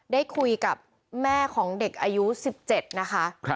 ได้คุยกับแม่ของเด็กอายุ๑๗นะคะ